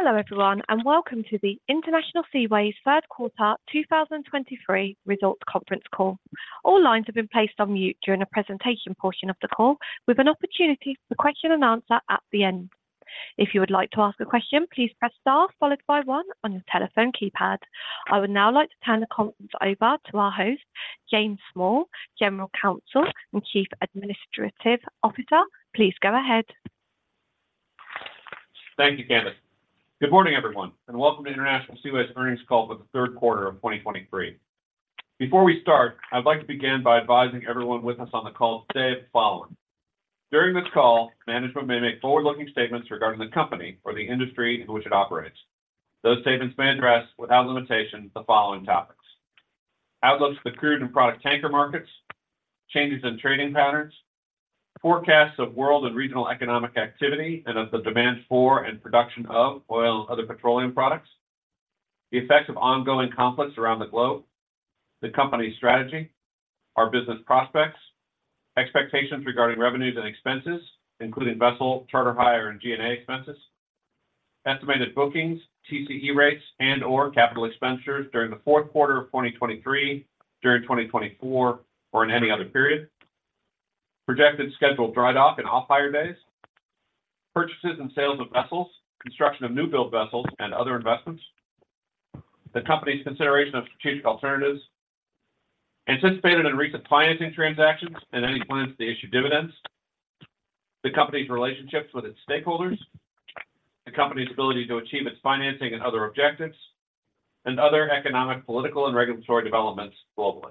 Hello, everyone, and welcome to the International Seaways Q3 2023 results conference call. All lines have been placed on mute during the presentation portion of the call, with an opportunity for question and answer at the end. If you would like to ask a question, please press star followed by one on your telephone keypad. I would now like to turn the conference over to our host, James Small, General Counsel and Chief Administrative Officer. Please go ahead. Thank you, Candace. Good morning, everyone, and welcome to International Seaways earnings call for the Q3 of 2023. Before we start, I'd like to begin by advising everyone with us on the call today of the following. During this call, management may make forward-looking statements regarding the company or the industry in which it operates. Those statements may address, without limitation, the following topics: outlooks for the crude and product tanker markets, changes in trading patterns, forecasts of world and regional economic activity, and of the demand for and production of oil and other petroleum products, the effect of ongoing conflicts around the globe, the company's strategy, our business prospects, expectations regarding revenues and expenses, including vessel, charter, hire, and G&A expenses, estimated bookings, TCE rates, and/or capital expenditures during the Q4 of 2023, during 2024, or in any other period. Projected scheduled dry dock and off-hire days, purchases and sales of vessels, construction of newbuild vessels and other investments, the company's consideration of strategic alternatives, anticipated and recent financing transactions, and any plans to issue dividends, the company's relationships with its stakeholders, the company's ability to achieve its financing and other objectives, and other economic, political, and regulatory developments globally.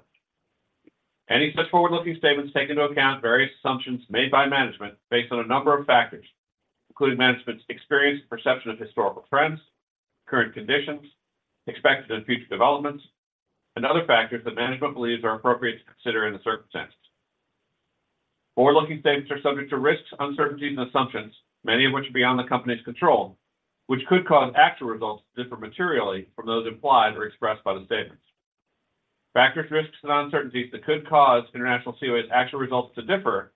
Any such forward-looking statements take into account various assumptions made by management based on a number of factors, including management's experience, perception of historical trends, current conditions, expected and future developments, and other factors that management believes are appropriate to consider in the circumstances. Forward-looking statements are subject to risks, uncertainties and assumptions, many of which are beyond the company's control, which could cause actual results to differ materially from those implied or expressed by the statements. Factors, risks, and uncertainties that could cause International Seaways' actual results to differ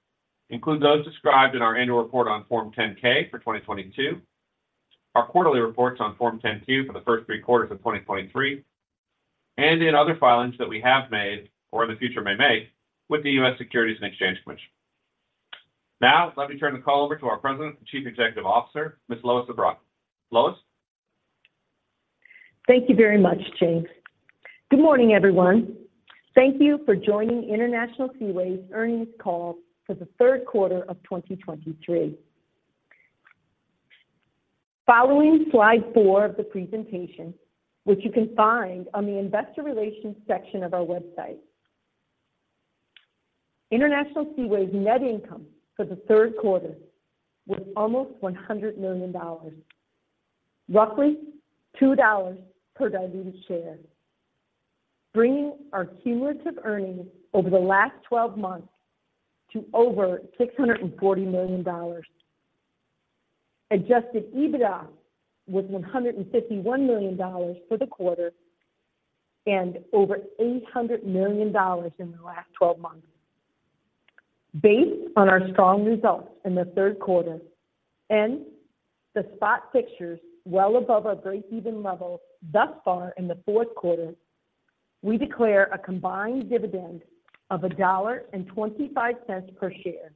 include those described in our annual report on Form 10-K for 2022, our quarterly reports on Form 10-Q for the first three quarters of 2023, and in other filings that we have made or in the future may make with the U.S. Securities and Exchange Commission. Now, let me turn the call over to our President and Chief Executive Officer, Ms. Lois Zabrocky. Lois? Thank you very much, James. Good morning, everyone. Thank you for joining International Seaways earnings call for the Q3 of 2023. Following Slide 4 of the presentation, which you can find on the investor relations section of our website. International Seaways' net income for the Q3 was almost $100 million, roughly $2 per diluted share, bringing our cumulative earnings over the last 12 months to over $640 million. Adjusted EBITDA was $151 million for the quarter and over $800 million in the last 12 months. Based on our strong results in the Q3 and the spot fixtures well above our breakeven level thus far in the Q4, we declare a combined dividend of $1.25 per share.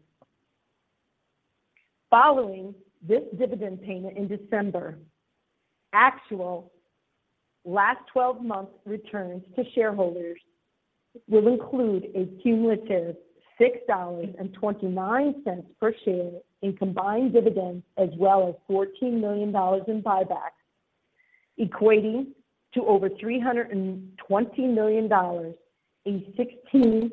Following this dividend payment in December, actual last 12-month returns to shareholders will include a cumulative $6.29 per share in combined dividends, as well as $14 million in buybacks, equating to over $320 million, a 16%+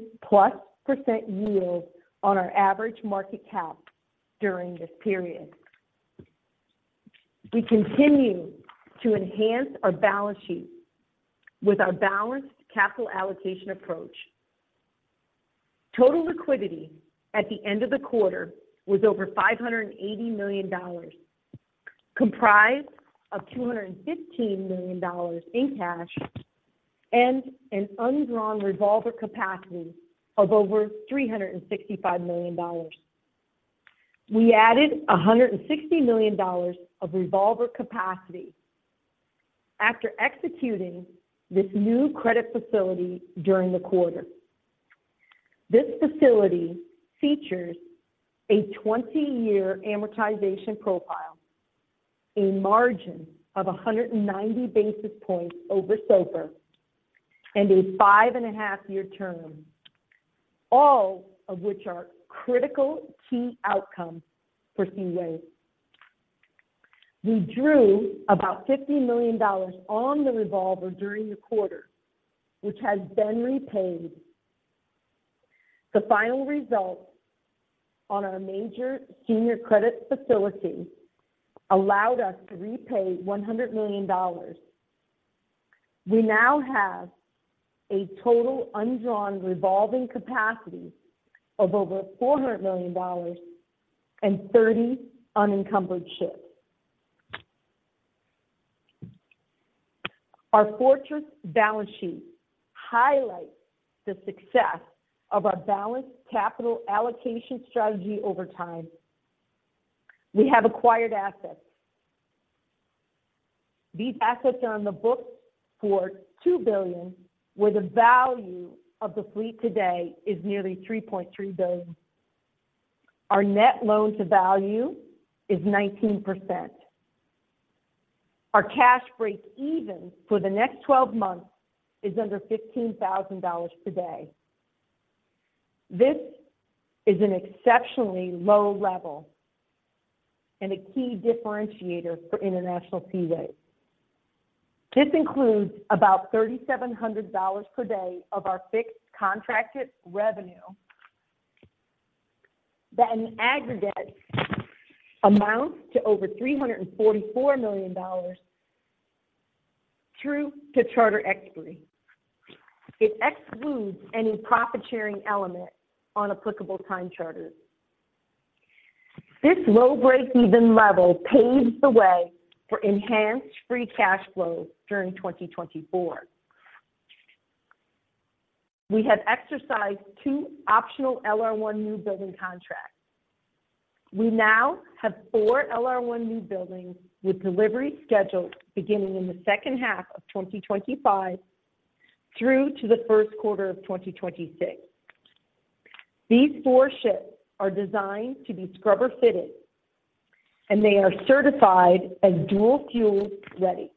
yield on our average market cap during this period. We continue to enhance our balance sheet with our balanced capital allocation approach. Total liquidity at the end of the quarter was over $580 million, comprised of $215 million in cash and an undrawn revolver capacity of over $365 million. We added $160 million of revolver capacity after executing this new credit facility during the quarter. This facility features a 20-year amortization profile, a margin of 190 basis points over SOFR, and a 5.5-year term, all of which are critical key outcomes for Seaways. We drew about $50 million on the revolver during the quarter, which has been repaid. The final result on our major senior credit facility allowed us to repay $100 million. We now have a total undrawn revolving capacity of over $400 million and 30 unencumbered ships. Our fortress balance sheet highlights the success of our balanced capital allocation strategy over time. We have acquired assets. These assets are on the books for $2 billion, where the value of the fleet today is nearly $3.3 billion. Our net loan to value is 19%. Our cash break even for the next 12 months is under $15,000 per day. This is an exceptionally low level and a key differentiator for International Seaways. This includes about $3,700 per day of our fixed contracted revenue, that in aggregate amounts to over $344 million through to charter expiry. It excludes any profit-sharing element on applicable time charters. This low break-even level paves the way for enhanced free cash flow during 2024. We have exercised two optional LR1 new building contracts. We now have four LR1 new buildings, with delivery scheduled beginning in the second half of 2025 through to the Q1 of 2026. These four ships are designed to be scrubber-fitted, and they are certified as dual-fuel ready.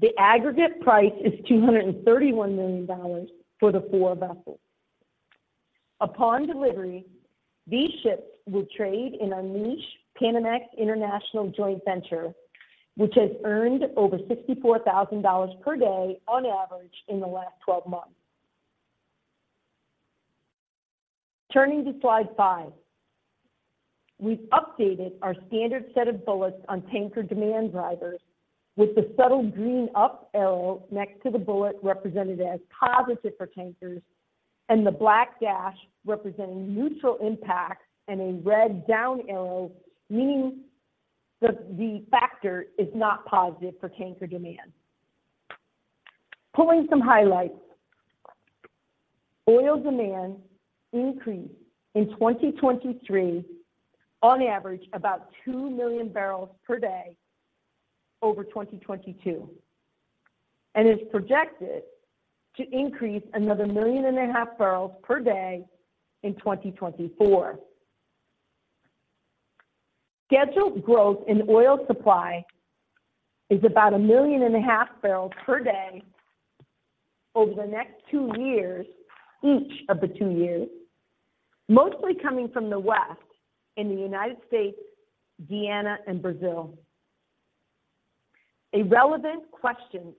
The aggregate price is $231 million for the four vessels. Upon delivery, these ships will trade in our niche Panamax International Joint Venture, which has earned over $64,000 per day on average in the last 12 months. Turning to slide Five. We've updated our standard set of bullets on tanker demand drivers with the subtle green up arrow next to the bullet represented as positive for tankers, and the black dash representing neutral impact, and a red down arrow, meaning the factor is not positive for tanker demand. Pulling some highlights. Oil demand increased in 2023, on average, about two million barrels per day over 2022, and is projected to increase another 1.5 million barrels per day in 2024. Scheduled growth in oil supply is about 1.5 million barrels per day over the next two years, each of the two years, mostly coming from the West in the United States, Guyana and Brazil. A relevant question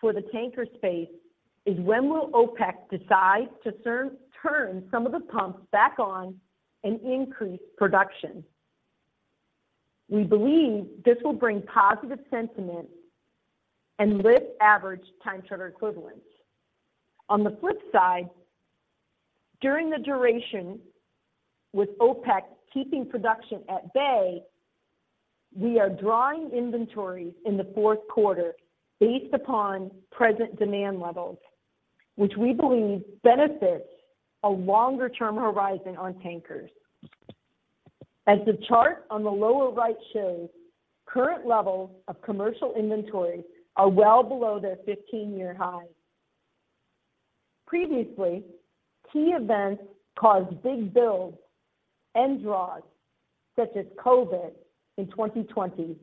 for the tanker space is: when will OPEC decide to turn some of the pumps back on and increase production? We believe this will bring positive sentiment and lift average time charter equivalents. On the flip side, during the duration with OPEC keeping production at bay, we are drawing inventories in the Q4 based upon present demand levels, which we believe benefits a longer-term horizon on tankers. As the chart on the lower right shows, current levels of commercial inventory are well below their 15-year high. Previously, key events caused big builds and draws, such as COVID in 2020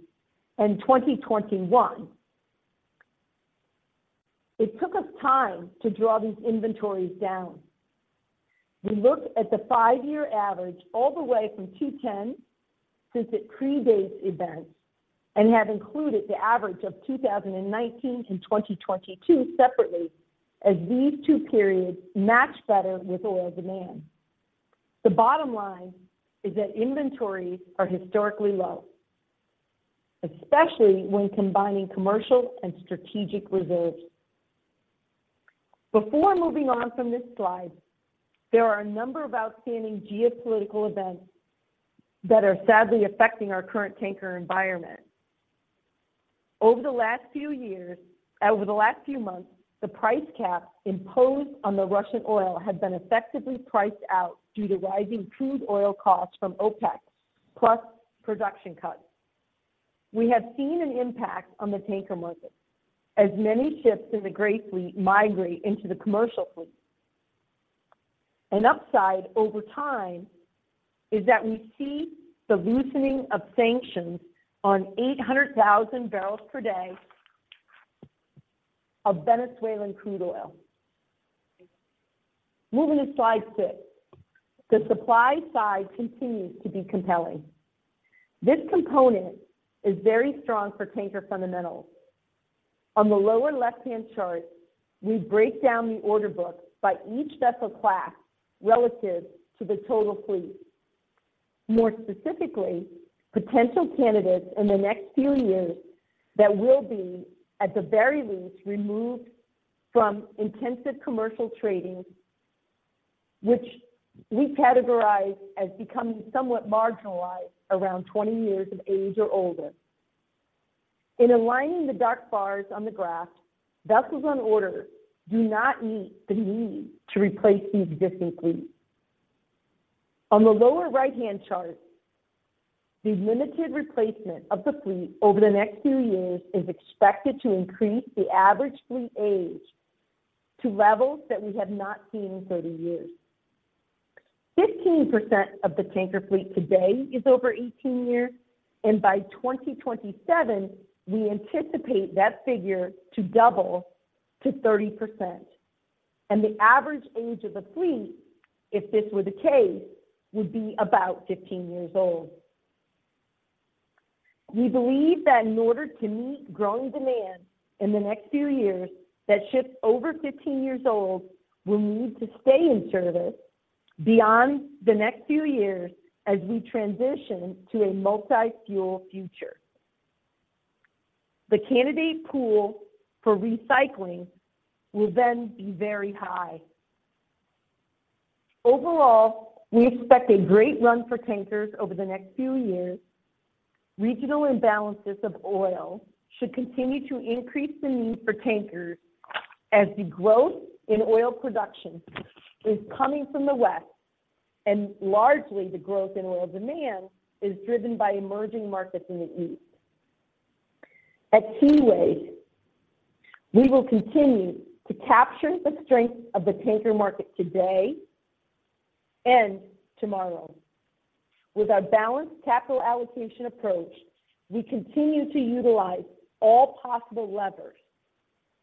and 2021. It took us time to draw these inventories down. We look at the five-year average all the way from 2010, since it predates events, and have included the average of 2019 and 2022 separately, as these two periods match better with oil demand. The bottom line is that inventories are historically low, especially when combining commercial and strategic reserves. Before moving on from this slide, there are a number of outstanding geopolitical events that are sadly affecting our current tanker environment. Over the last few years- over the last few months, the price cap imposed on the Russian oil has been effectively priced out due to rising crude oil costs from OPEC, plus production cuts. We have seen an impact on the tanker market, as many ships in the Gray Fleet migrate into the commercial fleet. An upside over time is that we see the loosening of sanctions on 800,000 barrels per day of Venezuelan crude oil. Moving to slide six. The supply side continues to be compelling. This component is very strong for tanker fundamentals. On the lower left-hand chart, we break down the order book by each vessel class relative to the total fleet. More specifically, potential candidates in the next few years that will be, at the very least, removed from intensive commercial trading, which we categorize as becoming somewhat marginalized around 20 years of age or older. In aligning the dark bars on the graph, vessels on order do not meet the need to replace the existing fleet. On the lower right-hand chart, the limited replacement of the fleet over the next few years is expected to increase the average fleet age to levels that we have not seen in 30 years. 15% of the tanker fleet today is over 18 years, and by 2027, we anticipate that figure to double to 30%. The average age of the fleet, if this were the case, would be about 15 years old. We believe that in order to meet growing demand in the next few years, that ships over 15 years old will need to stay in service beyond the next few years as we transition to a multi-fuel future. The candidate pool for recycling will then be very high. Overall, we expect a great run for tankers over the next few years. Regional imbalances of oil should continue to increase the need for tankers, as the growth in oil production is coming from the West, and largely the growth in oil demand is driven by emerging markets in the East. At Seaways, we will continue to capture the strength of the tanker market today and tomorrow. With our balanced capital allocation approach, we continue to utilize all possible levers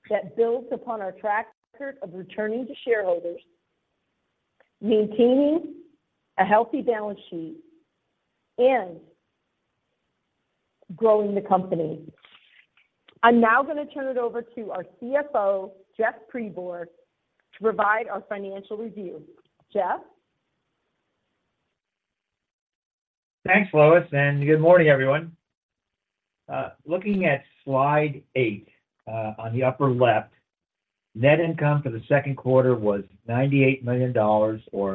that builds upon our track record of returning to shareholders, maintaining a healthy balance sheet, and growing the company. I'm now going to turn it over to our CFO, Jeff Pribor, to provide our financial review. Jeff? Thanks, Lois, and good morning, everyone. Looking at slide 8, on the upper left, net income for the Q2 was $98 million, or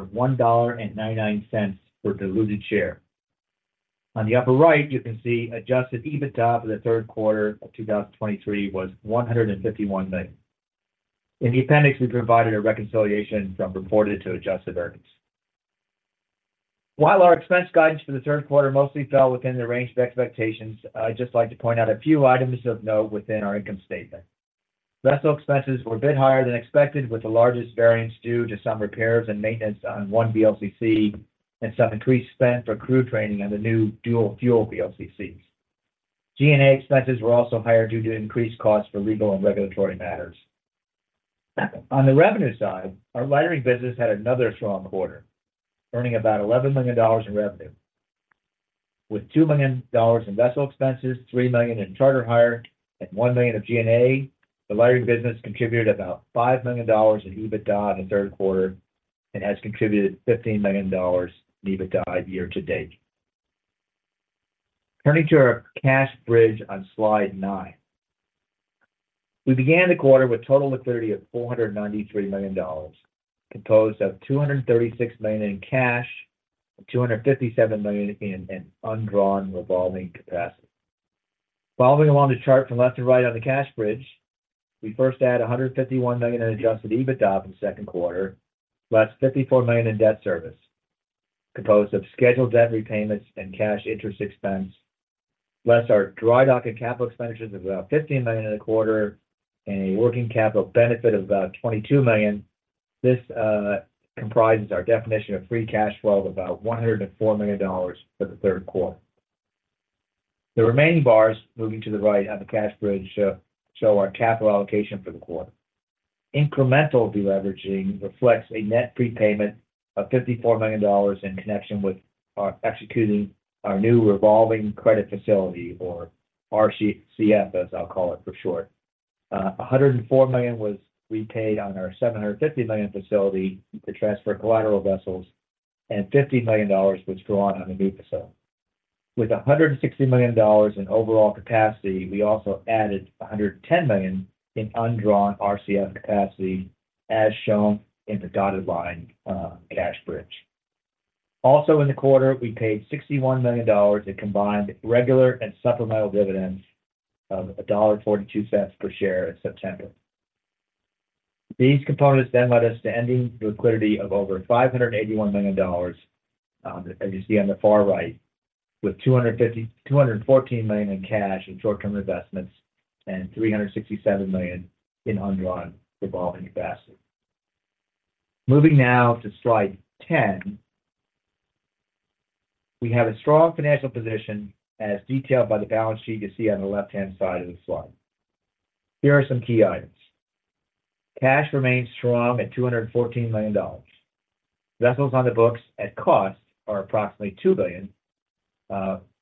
$1.99 per diluted share. On the upper right, you can see Adjusted EBITDA for the Q3 of 2023 was $151 million. In the appendix, we provided a reconciliation from reported to adjusted earnings. While our expense guidance for the Q3 mostly fell within the range of expectations, I'd just like to point out a few items of note within our income statement. Vessel expenses were a bit higher than expected, with the largest variance due to some repairs and maintenance on one VLCC and some increased spend for crew training on the new dual-fuel VLCCs. G&A expenses were also higher due to increased costs for legal and regulatory matters. On the revenue side, our lightering business had another strong quarter, earning about $11 million in revenue. With $2 million in vessel expenses, $3 million in charter hire, and $1 million of G&A, the lightering business contributed about $5 million in EBITDA in the Q3 and has contributed $15 million in EBITDA year-to-date. Turning to our cash bridge on slide 9. We began the quarter with total liquidity of $493 million, composed of $236 million in cash, $257 million in an undrawn revolving capacity. Following along the chart from left to right on the cash bridge, we first add $151 million in Adjusted EBITDA in the Q2, less $54 million in debt service, composed of scheduled debt repayments and cash interest expense, less our dry dock and capital expenditures of about $15 million in the quarter, and a working capital benefit of about $22 million. This comprises our definition of free cash flow of about $104 million for the Q3. The remaining bars, moving to the right on the cash bridge, show our capital allocation for the quarter. Incremental deleveraging reflects a net prepayment of $54 million in connection with our executing our new revolving credit facility or RCF, as I'll call it for short. $104 million was repaid on our $750 million facility to transfer collateral vessels, and $50 million was drawn on the new facility. With $160 million in overall capacity, we also added $110 million in undrawn RCF capacity, as shown in the dotted line, cash bridge. Also in the quarter, we paid $61 million in combined regular and supplemental dividends of $1.42 per share in September. These components then led us to ending liquidity of over $581 million, as you see on the far right, with $214 million in cash and short-term investments and $367 million in undrawn revolving capacity. Moving now to slide 10, we have a strong financial position as detailed by the balance sheet you see on the left-hand side of the slide. Here are some key items. Cash remains strong at $214 million. Vessels on the books at cost are approximately $2 billion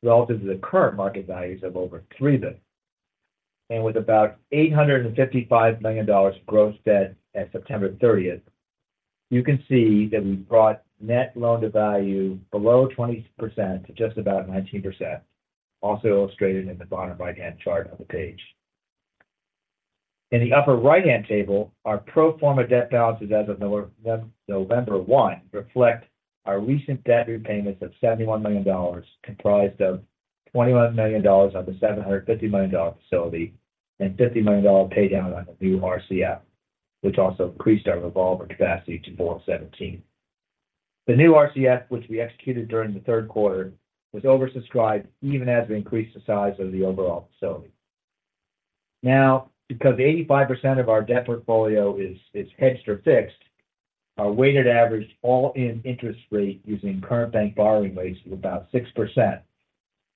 relative to the current market values of over $3 billion. And with about $855 million of gross debt at September thirtieth, you can see that we brought net loan-to-value below 20% to just about 19%, also illustrated in the bottom right-hand chart on the page. In the upper right-hand table, our pro forma debt balances as of November 1 reflect our recent debt repayments of $71 million, comprised of $21 million on the $750 million facility, and $50 million pay down on the new RCF, which also increased our revolver capacity to $417 million. The new RCF, which we executed during the Q3, was oversubscribed even as we increased the size of the overall facility. Now, because 85% of our debt portfolio is hedged or fixed, our weighted average all-in interest rate using current bank borrowing rates is about 6%,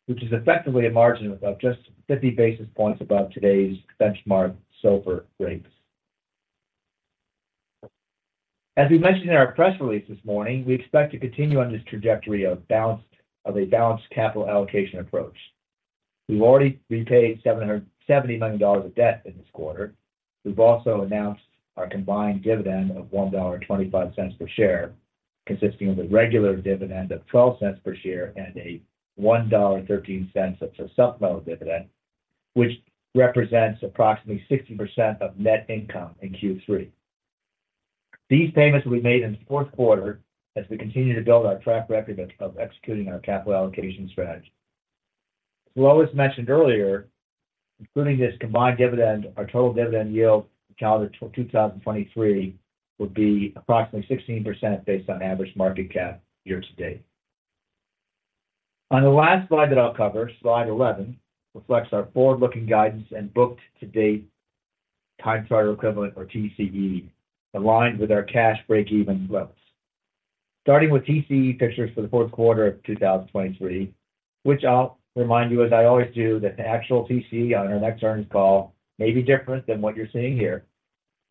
which is effectively a margin of just 50 basis points above today's benchmark SOFR rates. As we mentioned in our press release this morning, we expect to continue on this trajectory of balanced capital allocation approach. We've already repaid $770 million of debt in this quarter. We've also announced our combined dividend of $1.25 per share, consisting of a regular dividend of $0.12 per share and a $1.13 of a supplemental dividend, which represents approximately 60% of net income in Q3. These payments will be made in the Q4 as we continue to build our track record of executing our capital allocation strategy. As Lois mentioned earlier, including this combined dividend, our total dividend yield for calendar 2023 would be approximately 16% based on average market cap year to date. On the last slide that I'll cover, slide 11, reflects our forward-looking guidance and booked to date time charter equivalent or TCE, aligned with our cash breakeven levels. Starting with TCE fixtures for the Q4 of 2023, which I'll remind you, as I always do, that the actual TCE on our next earnings call may be different than what you're seeing here.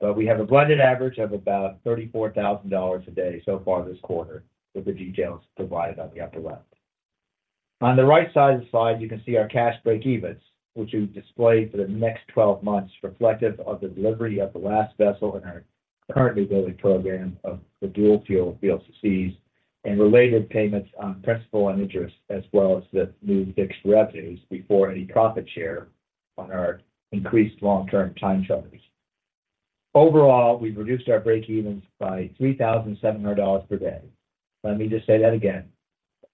But we have a blended average of about $34,000 a day so far this quarter, with the details provided on the upper left. On the right side of the slide, you can see our cash breakevens, which we've displayed for the next 12 months, reflective of the delivery of the last vessel in our currently building program of the dual-fuel VLCCs and related payments on principal and interest, as well as the new fixed revenues before any profit share on our increased long-term time charters. Overall, we've reduced our breakevens by $3,700 per day. Let me just say that again,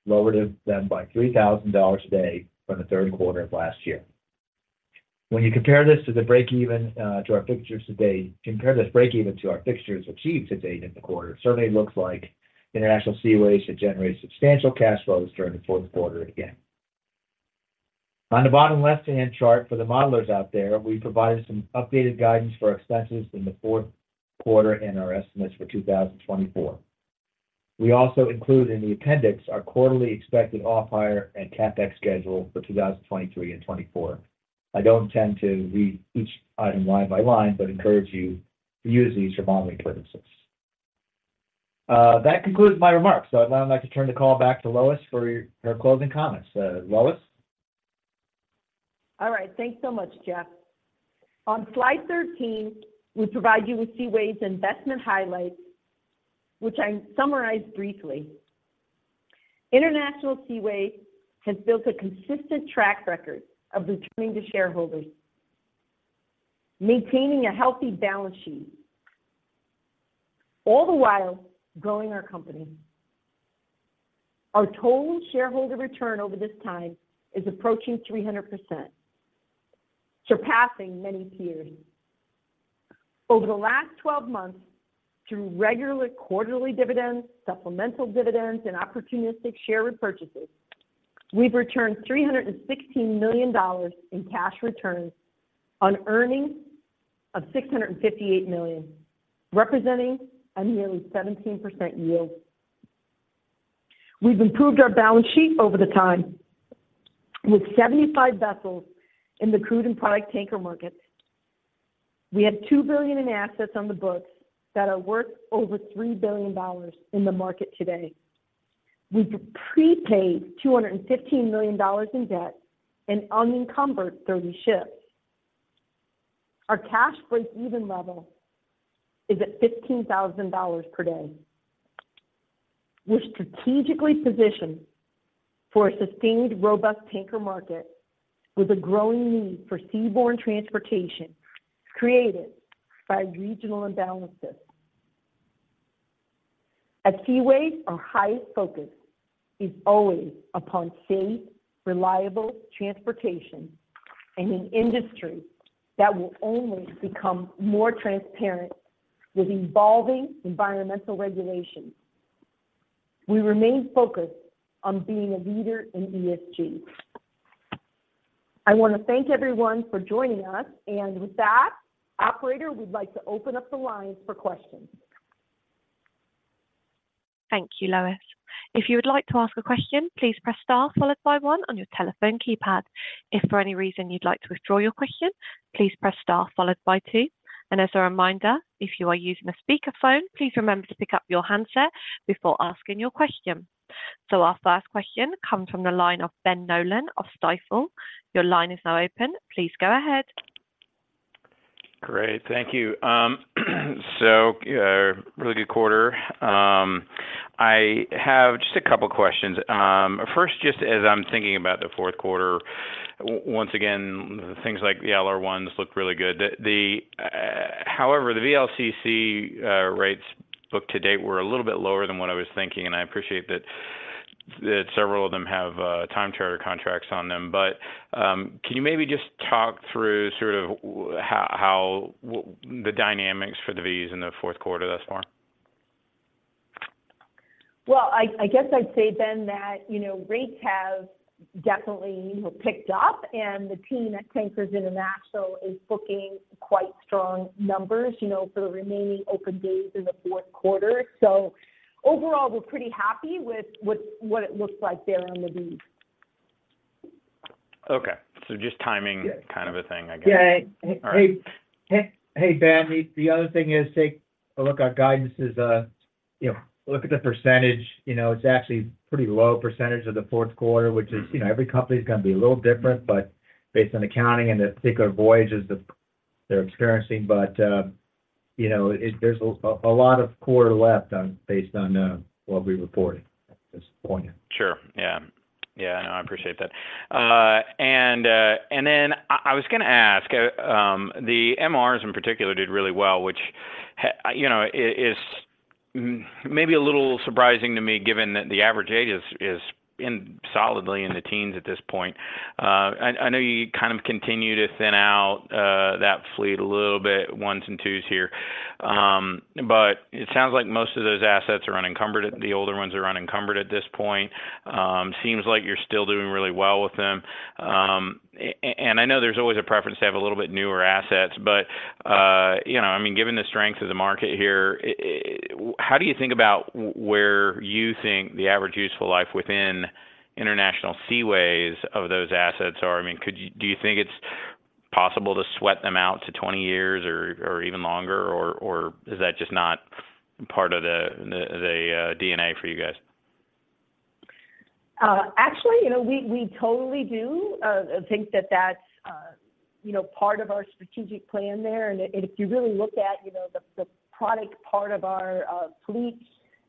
lowered them by $3,000 a day from the Q3 of last year. When you compare this to the breakeven, to our fixtures to date, compare this breakeven to our fixtures achieved to date in the quarter, it certainly looks like International Seaways should generate substantial cash flows during the Q4 again. On the bottom left-hand chart, for the modelers out there, we provided some updated guidance for expenses in the Q4 and our estimates for 2024. We also include in the appendix our quarterly expected offhire and CapEx schedule for 2023 and 2024. I don't intend to read each item line by line, but encourage you to use these for modeling purposes. That concludes my remarks. So I'd now like to turn the call back to Lois for her closing comments. Lois? All right. Thanks so much, Jeff. On slide 13, we provide you with Seaways' investment highlights, which I summarize briefly. International Seaways has built a consistent track record of returning to shareholders, maintaining a healthy balance sheet, all the while growing our company. Our total shareholder return over this time is approaching 300%, surpassing many peers. Over the last 12 months, through regular quarterly dividends, supplemental dividends, and opportunistic share repurchases, we've returned $316 million in cash returns on earnings of $658 million, representing a nearly 17% yield. We've improved our balance sheet over the time with 75 vessels in the crude and product tanker markets. We have $2 billion in assets on the books that are worth over $3 billion in the market today. We've prepaid $215 million in debt and unencumbered 30 ships. Our cash breakeven level is at $15,000 per day. We're strategically positioned for a sustained, robust tanker market with a growing need for seaborne transportation created by regional imbalances. At Seaways, our highest focus is always upon safe, reliable transportation in an industry that will only become more transparent with evolving environmental regulations. We remain focused on being a leader in ESG. I want to thank everyone for joining us, and with that, operator, we'd like to open up the lines for questions. Thank you, Lois. If you would like to ask a question, please press star followed by one on your telephone keypad. If for any reason you'd like to withdraw your question, please press star followed by two. As a reminder, if you are using a speakerphone, please remember to pick up your handset before asking your question. Our first question comes from the line of Ben Nolan of Stifel. Your line is now open. Please go ahead. Great. Thank you. So, really good quarter. I have just a couple questions. First, just as I'm thinking about the Q4, once again, things like the LR1s look really good. However, the VLCC rates booked to date were a little bit lower than what I was thinking, and I appreciate that several of them have time charter contracts on them. But, can you maybe just talk through sort of how the dynamics for the V's in the Q4 thus far? Well, I guess I'd say then that, you know, rates have definitely, you know, picked up, and the team at Tankers International is booking quite strong numbers, you know, for the remaining open days in the Q4. So overall, we're pretty happy with what it looks like there on the V. Okay. So just timing- Yeah. kind of a thing, I guess. Yeah. All right. Hey, hey, Ben, the other thing is, take a look. Our guidance is, you know, look at the percentage. You know, it's actually pretty low percentage of the Q4, which is, you know, every company is gonna be a little different, but based on accounting and the particular voyages that they're experiencing. But, you know, there's a lot of quarter left on, based on what we reported at this point. Sure. Yeah. Yeah, no, I appreciate that. And then I was gonna ask, the MRs in particular did really well, which, you know, is maybe a little surprising to me, given that the average age is solidly in the teens at this point. I know you kind of continue to thin out that fleet a little bit, ones and twos here. But it sounds like most of those assets are unencumbered, the older ones are unencumbered at this point. Seems like you're still doing really well with them. And I know there's always a preference to have a little bit newer assets, but you know, I mean, given the strength of the market here, how do you think about where you think the average useful life within International Seaways of those assets are? I mean, do you think it's possible to sweat them out to 20 years or even longer? Or is that just not part of the DNA for you guys? Actually, you know, we totally do think that that's you know, part of our strategic plan there. And if you really look at you know, the product part of our fleet,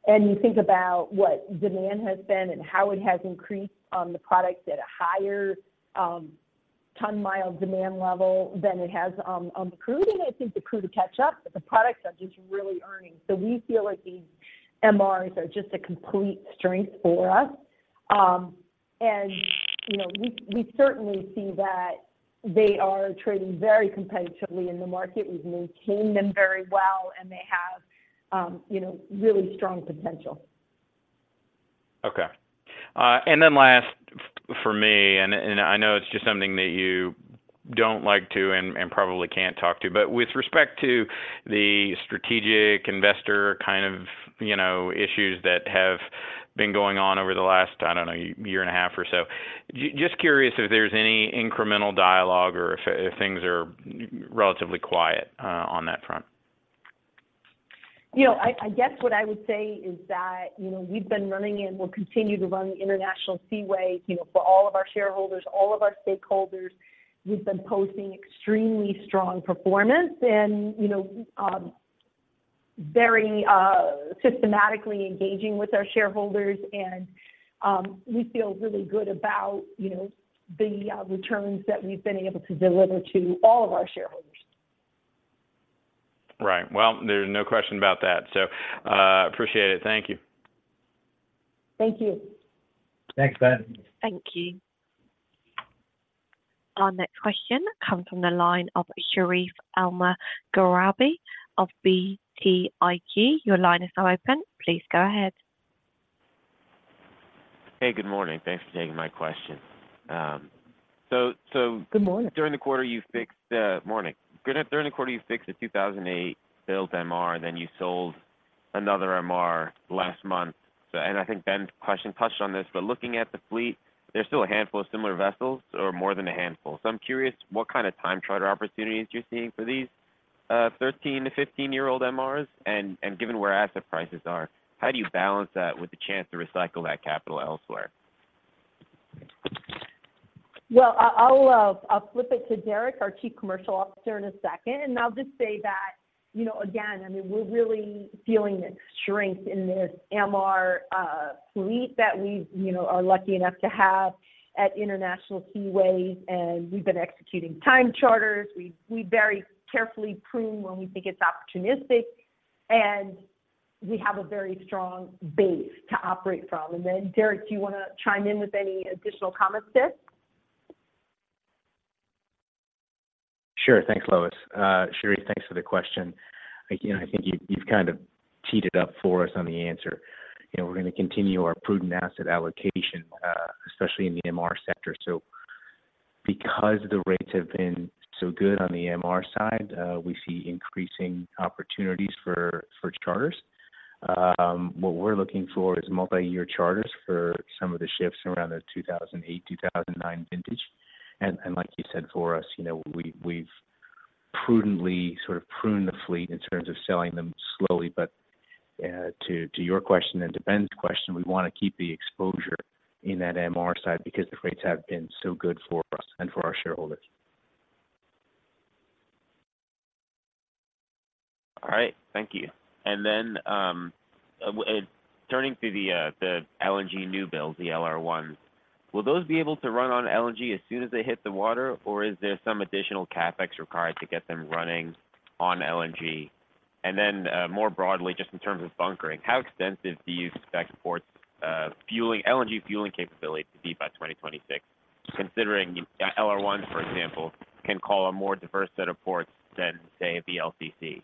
and you think about what demand has been and how it has increased on the products at a higher ton-mile demand level than it has on the crude, and I think the crude will catch up, but the products are just really earning. So we feel like these MRs are just a complete strength for us. And you know, we certainly see that they are trading very competitively in the market. We've maintained them very well, and they have you know, really strong potential. Okay. And then last for me, and I know it's just something that you don't like to and probably can't talk to, but with respect to the strategic investor kind of, you know, issues that have been going on over the last, I don't know, year and a half or so, just curious if there's any incremental dialogue or if things are relatively quiet on that front. You know, I guess what I would say is that, you know, we've been running and we'll continue to run International Seaways, you know, for all of our shareholders, all of our stakeholders. We've been posting extremely strong performance and, you know, very systematically engaging with our shareholders, and, we feel really good about, you know, the returns that we've been able to deliver to all of our shareholders. Right. Well, there's no question about that, so, appreciate it. Thank you. Thank you. Thanks, Ben. Thank you. Our next question comes from the line of Sharif Elmaghrabi of BTIG. Your line is now open. Please go ahead. Hey, good morning. Thanks for taking my question. So, Good morning. During the quarter, you fixed a 2008-built MR, then you sold another MR last month. So and I think Ben's question touched on this, but looking at the fleet, there's still a handful of similar vessels or more than a handful. So I'm curious, what kind of time charter opportunities you're seeing for these 13- to 15-year-old MRs? And, and given where asset prices are, how do you balance that with the chance to recycle that capital elsewhere? Well, I'll flip it to Derek, our Chief Commercial Officer, in a second. And I'll just say that, you know, again, I mean, we're really feeling the strength in this MR fleet that we, you know, are lucky enough to have at International Seaways, and we've been executing time charters. We very carefully prune when we think it's opportunistic, and we have a very strong base to operate from. And then, Derek, do you want to chime in with any additional comments there? Sure. Thanks, Lois. Sharif, thanks for the question. You know, I think you, you've kind of teed it up for us on the answer. You know, we're gonna continue our prudent asset allocation, especially in the MR sector. So because the rates have been so good on the MR side, we see increasing opportunities for, for charters. What we're looking for is multiyear charters for some of the ships around the 2008, 2009 vintage. And like you said, for us, you know, we, we've prudently sort of pruned the fleet in terms of selling them slowly. But to your question and to Ben's question, we want to keep the exposure in that MR side because the rates have been so good for us and for our shareholders. All right, thank you. And then, turning to the LNG new build, the LR1, will those be able to run on LNG as soon as they hit the water, or is there some additional CapEx required to get them running on LNG? And then, more broadly, just in terms of bunkering, how extensive do you expect ports, fueling LNG fueling capability to be by 2026, considering LR1, for example, can call a more diverse set of ports than, say, a VLCC?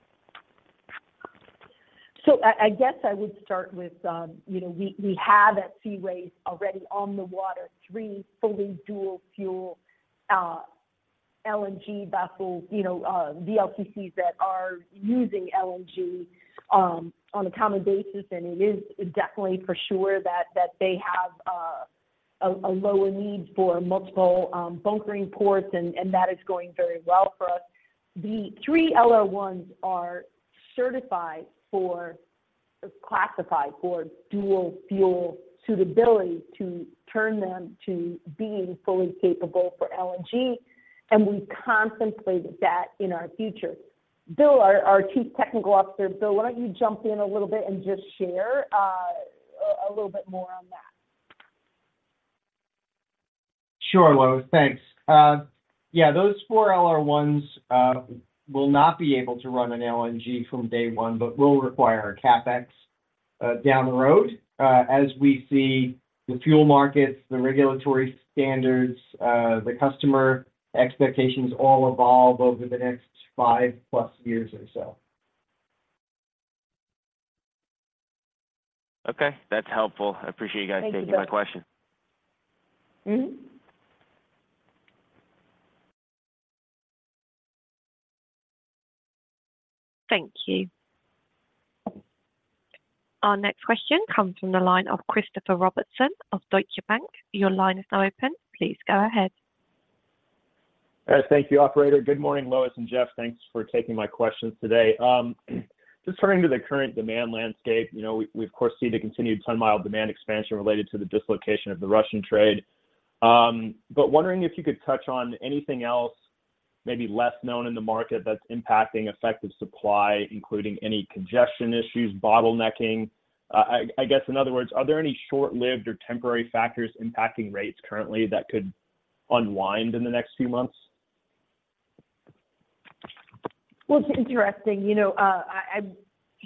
So I guess I would start with, you know, we have at Seaways already on the water, three fully dual-fuel LNG vessels, you know, VLCCs that are using LNG on a common basis, and it is definitely for sure that they have a lower need for multiple bunkering ports, and that is going very well for us. The three LR1s are certified for, or classified for dual-fuel suitability to turn them to being fully capable for LNG, and we contemplated that in our future. Bill, our Chief Technical Officer, Bill, why don't you jump in a little bit and just share a little bit more on that? Sure, Lois. Thanks. Yeah, those four LR1s will not be able to run on LNG from day one, but will require a CapEx down the road as we see the fuel markets, the regulatory standards, the customer expectations all evolve over the next five-plus years or so. Okay, that's helpful. I appreciate you guys taking my question. Thank you, Bill. Mm-hmm. Thank you. Our next question comes from the line of Christopher Robertson of Deutsche Bank. Your line is now open. Please go ahead. Thank you, operator. Good morning, Lois and Jeff. Thanks for taking my questions today. Just turning to the current demand landscape, you know, we of course see the continued ton-mile demand expansion related to the dislocation of the Russian trade. But wondering if you could touch on anything else, maybe less known in the market that's impacting effective supply, including any congestion issues, bottlenecking. I guess, in other words, are there any short-lived or temporary factors impacting rates currently that could unwind in the next few months? Well, it's interesting, you know,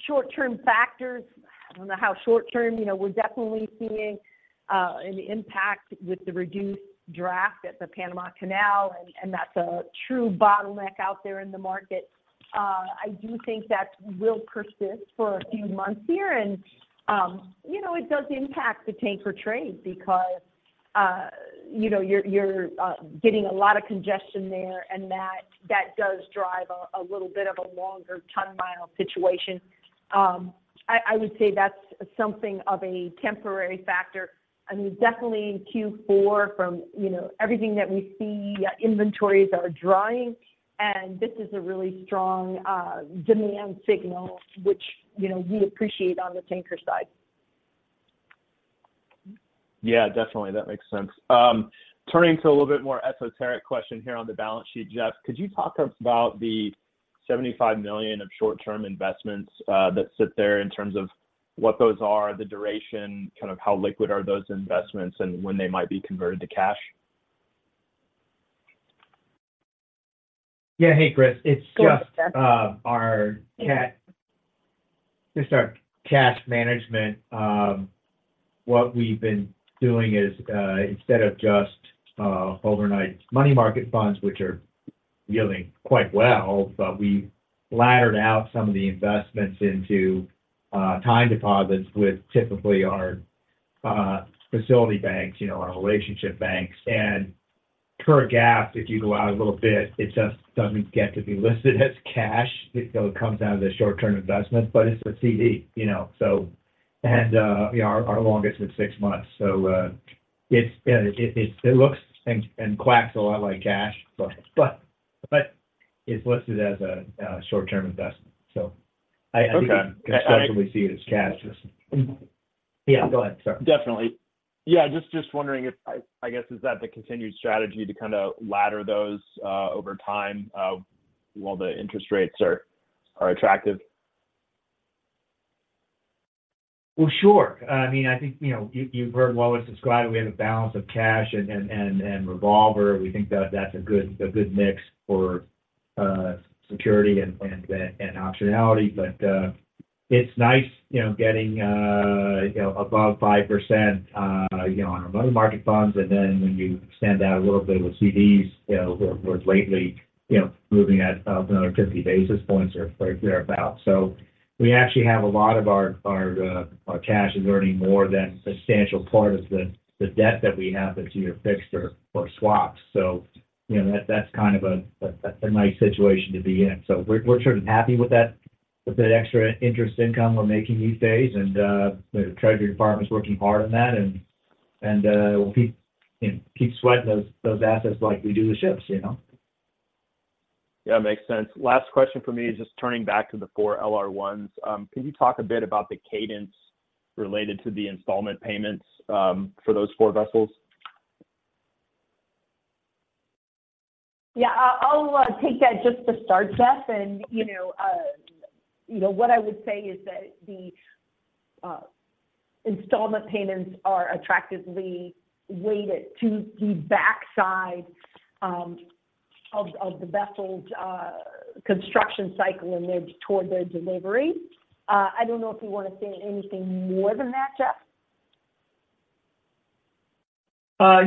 short-term factors, I don't know how short term, you know, we're definitely seeing an impact with the reduced draft at the Panama Canal, and that's a true bottleneck out there in the market. I do think that will persist for a few months here, and, you know, it does impact the tanker trade because, you know, you're getting a lot of congestion there, and that does drive a little bit of a longer ton-mile situation. I would say that's something of a temporary factor. I mean, definitely in Q4 from, you know, everything that we see, inventories are drying, and this is a really strong demand signal, which, you know, we appreciate on the tanker side. Yeah, definitely. That makes sense. Turning to a little bit more esoteric question here on the balance sheet, Jeff, could you talk about the $75 million of short-term investments that sit there in terms of what those are, the duration, kind of how liquid are those investments, and when they might be converted to cash? Yeah. Hey, Chris. Go ahead, Jeff. It's just our cash management. What we've been doing is, instead of just overnight money market funds, which are yielding quite well, but we laddered out some of the investments into time deposits with typically our facility banks, you know, our relationship banks. And per GAAP, if you go out a little bit, it just doesn't get to be listed as cash. It comes out of the short-term investment, but it's a CD, you know, so and our longest is six months. So, it looks and quacks a lot like cash, but it's listed as a short-term investment. So I- Okay. I- I conceptually see it as cash. Yeah, go ahead, sorry. Definitely. Yeah, just wondering if, I guess, is that the continued strategy to kind of ladder those over time while the interest rates are attractive? Well, sure. I mean, I think, you know, you, you've heard Lois describe it. We have a balance of cash and revolver. We think that that's a good mix for security and optionality, but, it's nice, you know, getting, you know, above 5%, you know, on our money market funds, and then when you extend out a little bit with CDs, you know, we're, we're lately, you know, moving at another 50 basis points or thereabout. So we actually have a lot of our cash is earning more than a substantial part of the debt that we have that's either fixed or swaps. So, you know, that's kind of a nice situation to be in. We're sort of happy with that extra interest income we're making these days, and the Treasury Department is working hard on that, and we'll keep, you know, sweating those assets like we do the ships, you know? Yeah, makes sense. Last question for me is just turning back to the four LR1s. Can you talk a bit about the cadence related to the installment payments, for those four vessels? Yeah, I'll take that just to start, Jeff. You know, you know, what I would say is that the installment payments are attractively weighted to the backside of the vessel's construction cycle and they're toward their delivery. I don't know if you want to say anything more than that, Jeff.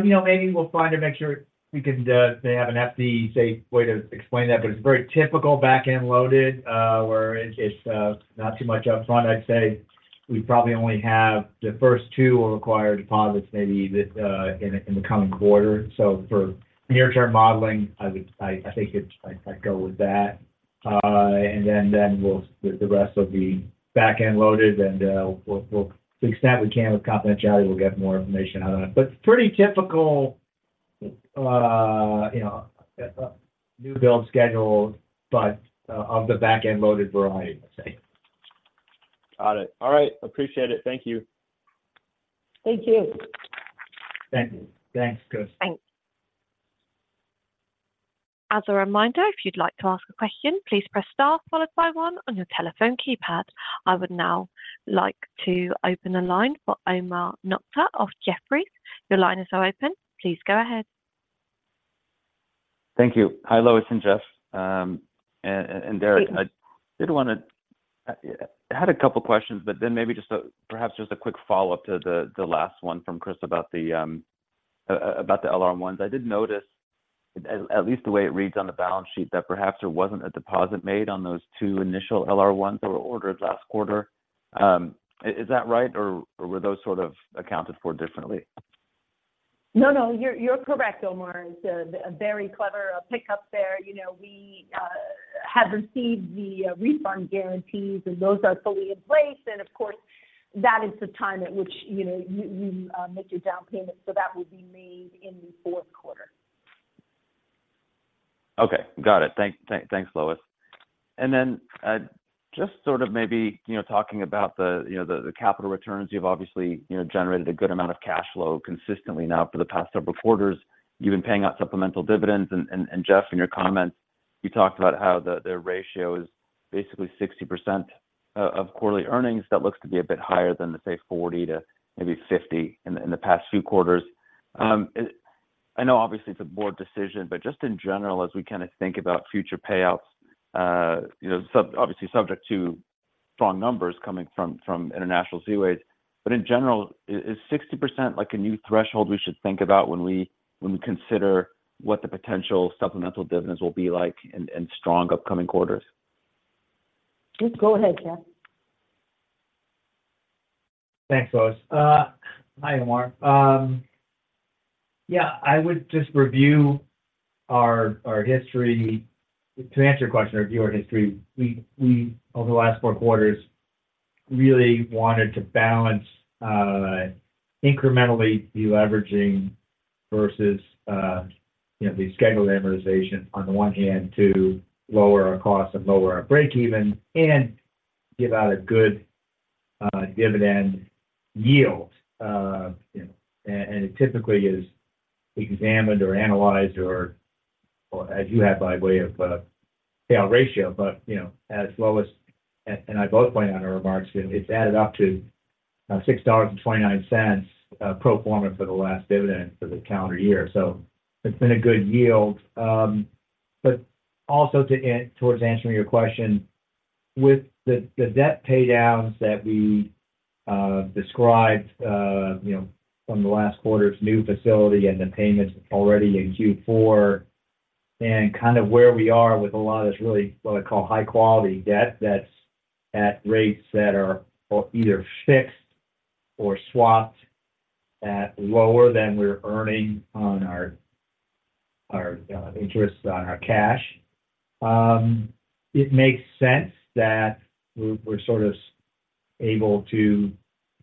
You know, maybe we'll try to make sure we can, they have an FD safe way to explain that, but it's very typical back-end loaded, where it's not too much upfront. I'd say we probably only have the first two will require deposits, maybe that in the coming quarter. So for near-term modeling, I would, I think it's I'd go with that. And then we'll, the rest will be back-end loaded, and we'll, to the extent we can with confidentiality, we'll get more information out on it. But pretty typical, you know, new build schedule, but of the back-end loaded variety, let's say. Got it. All right. Appreciate it. Thank you. Thank you. Thank you. Thanks, Chris. Thanks. As a reminder, if you'd like to ask a question, please press star followed by one on your telephone keypad. I would now like to open the line for Omar Nokta of Jefferies. Your line is now open. Please go ahead. Thank you. Hi, Lois and Jeff, Derek. I did want to—I had a couple questions, but then maybe just perhaps just a quick follow-up to the last one from Chris about the LR1s. I did notice, at least the way it reads on the balance sheet, that perhaps there wasn't a deposit made on those two initial LR1s that were ordered last quarter. Is that right, or were those sort of accounted for differently? No, no, you're correct, Omar. It's a very clever pickup there. You know, we have received the refund guarantees, and those are fully in place. And of course, that is the time at which, you know, you make your down payment, so that will be made in the Q4. Okay. Got it. Thanks, Lois. And then, just sort of maybe, you know, talking about the, you know, the capital returns, you've obviously, you know, generated a good amount of cash flow consistently now for the past several quarters. You've been paying out supplemental dividends. And Jeff, in your comments, you talked about how the ratio is basically 60% of quarterly earnings. That looks to be a bit higher than the, say, 40% to maybe 50% in the past few quarters. I know obviously, it's a board decision, but just in general, as we kind of think about future payouts, you know, obviously subject to strong numbers coming from, from International Seaways, but in general, is 60% like a new threshold we should think about when we, when we consider what the potential supplemental dividends will be like in strong upcoming quarters? Just go ahead, Jeff. Thanks, Lois. Hi, Omar. Yeah, I would just review our history. To answer your question, review our history, we over the last four quarters really wanted to balance incrementally deleveraging versus you know, the scheduled amortization on the one hand, to lower our costs and lower our break even and give out a good dividend yield. You know, and it typically is examined or analyzed or, as you have, by way of payout ratio. But you know, as Lois and I both point out in our remarks, it's added up to $6.29 pro forma for the last dividend for the calendar year. So it's been a good yield. But also towards answering your question, with the debt pay downs that we described, you know, from the last quarter's new facility and the payments already in Q4, and kind of where we are with a lot of this really, what I call high quality debt, that's at rates that are either fixed or swapped at lower than we're earning on our interests on our cash. It makes sense that we're sort of able to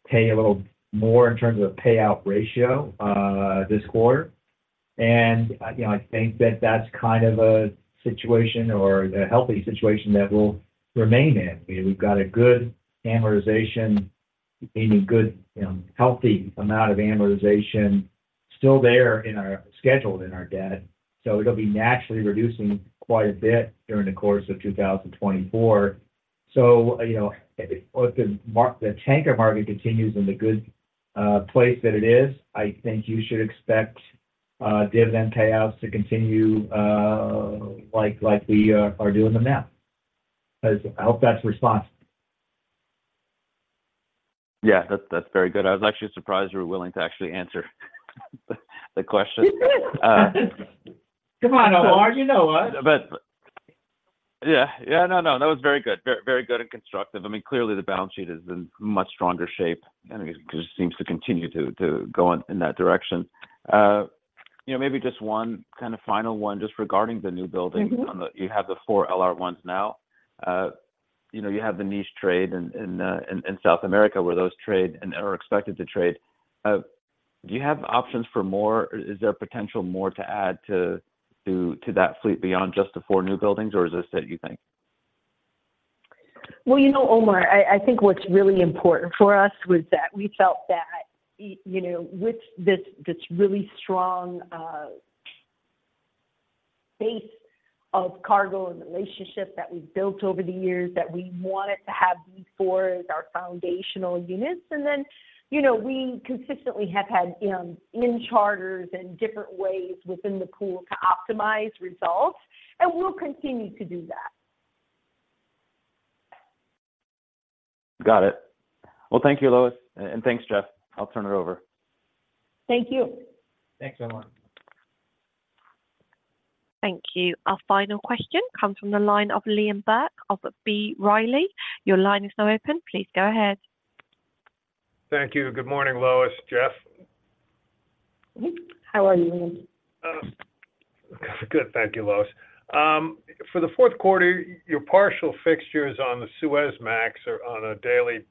pay a little more in terms of payout ratio, this quarter. You know, I think that that's kind of a situation or a healthy situation that we'll remain in. We've got a good amortization and a good, healthy amount of amortization still there in our schedule, in our debt, so it'll be naturally reducing quite a bit during the course of 2024. So, you know, if the market continues in the good place that it is, I think you should expect dividend payouts to continue, like, like we are doing them now. I hope that's the response. Yeah, that's, that's very good. I was actually surprised you were willing to actually answer the question. Come on, Omar, you know us. Yeah. Yeah, no, no, that was very good. Very, very good and constructive. I mean, clearly, the balance sheet is in much stronger shape, and it just seems to continue to go in that direction. You know, maybe just one kind of final one, just regarding the new buildings- Mm-hmm. On the, you have the four LR1s now. You know, you have the niche trade in South America, where those trade and are expected to trade. Do you have options for more? Is there potential more to add to that fleet beyond just the four new buildings, or is this it, you think? Well, you know, Omar, I think what's really important for us was that we felt that, you know, with this, this really strong base of cargo and relationship that we've built over the years, that we wanted to have these four as our foundational units. And then, you know, we consistently have had, you know, in charters and different ways within the pool to optimize results, and we'll continue to do that. Got it. Well, thank you, Lois, and thanks, Jeff. I'll turn it over. Thank you. Thanks, everyone. Thank you. Our final question comes from the line of Liam Burke of B. Riley. Your line is now open. Please go ahead. Thank you. Good morning, Lois, Jeff. How are you, Liam? Good. Thank you, Lois. For the Q4, your partial fixtures on the Suezmax are on a daily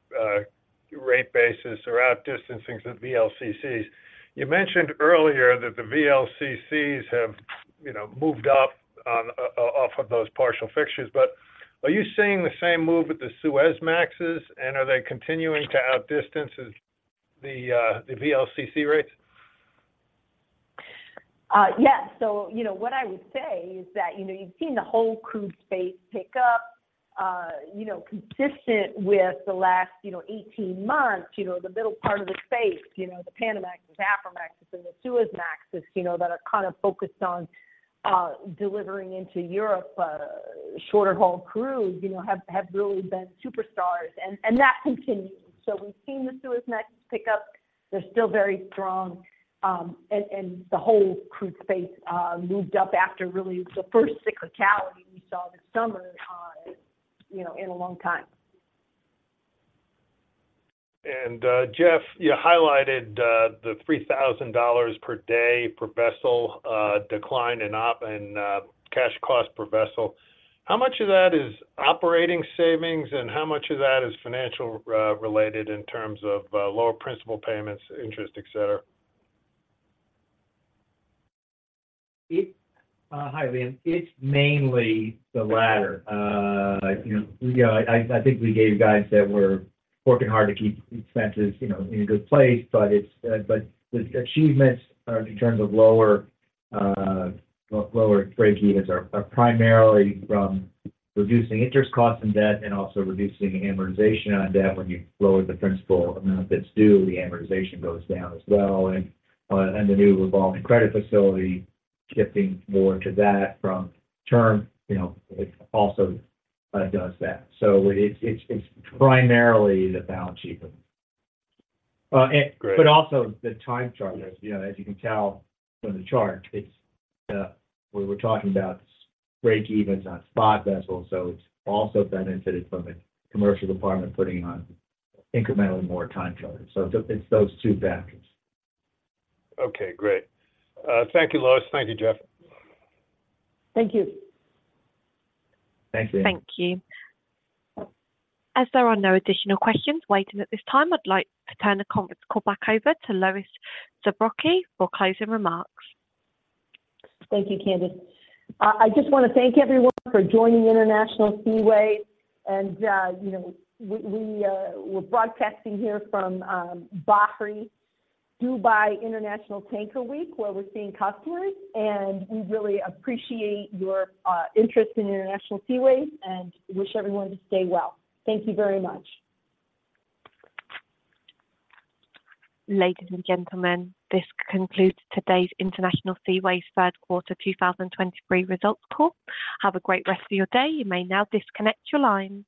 rate basis, are outdistancing the VLCCs. You mentioned earlier that the VLCCs have, you know, moved up on off of those partial fixtures, but are you seeing the same move with the Suezmaxes, and are they continuing to outdistance as the VLCC rates? Yes. So, you know, what I would say is that, you know, you've seen the whole crude space pick up, you know, consistent with the last 18 months. You know, the middle part of the space, you know, the Panamax, Aframax, and the Suezmaxes, you know, that are kind of focused on delivering into Europe, shorter-haul crude, you know, have really been superstars, and that continues. So we've seen the Suezmax pick up. They're still very strong, and the whole crude space moved up after really the first cyclicality we saw this summer, you know, in a long time. Jeff, you highlighted the $3,000 per day per vessel decline in OpEx and cash cost per vessel. How much of that is operating savings, and how much of that is financial related in terms of lower principal payments, interest, et cetera? Hi, Liam. It's mainly the latter. You know, yeah, I think we gave guides that we're working hard to keep expenses, you know, in a good place, but the achievements are in terms of lower break-evens are primarily from reducing interest costs and debt and also reducing amortization on debt. When you lower the principal amount that's due, the amortization goes down as well. And the new revolving credit facility, shifting more to that from term, you know, it also does that. So it's primarily the balance sheet. And Great. But also the time charters. You know, as you can tell from the chart, it's, we're talking about break-evens on spot vessels, so it's also benefited from the commercial department putting on incrementally more time charters. So it, it's those two factors. Okay, great. Thank you, Lois. Thank you, Jeff. Thank you. Thanks, Liam. Thank you. As there are no additional questions waiting at this time, I'd like to turn the conference call back over to Lois Zabrocky for closing remarks. Thank you, Candice. I just want to thank everyone for joining International Seaways. And, we're broadcasting here from Bahri Dubai International Tanker Week, where we're seeing customers, and we really appreciate your interest in International Seaways, and wish everyone to stay well. Thank you very much. Ladies and gentlemen, this concludes today's International Seaways Q3, 2023 results call. Have a great rest of your day. You may now disconnect your lines.